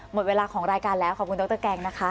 หมดเวลาของรายการแล้วขอบคุณดรแกงนะคะ